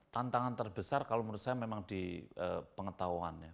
tantangan terbesar kalau menurut saya memang di pengetahuan ya